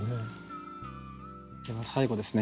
では最後ですね